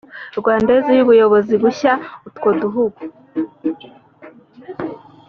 rwandais y ubuyobozi bushya utwo duhugu